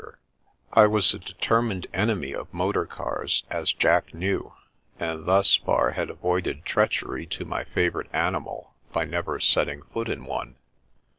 6 The Princess Passes I was a determined enemy of motor cars, as Jack knew, and thus far had avoided treachery to my fa vourite animal by never setting foot in one.